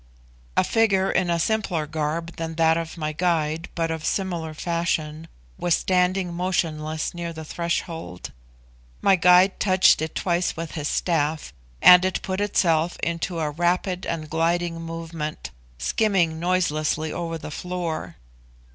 A figure in a simpler garb than that of my guide, but of similar fashion, was standing motionless near the threshold. My guide touched it twice with his staff, and it put itself into a rapid and gliding movement, skimming noiselessly over the floor.